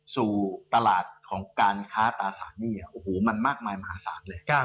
สู่ตลาดของการค้าตราสารหนี้โอ้โหมันมากมายมหาศาลเลย